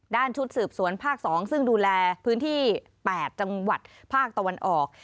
ชุดสืบสวนภาค๒ซึ่งดูแลพื้นที่๘จังหวัดภาคตะวันออก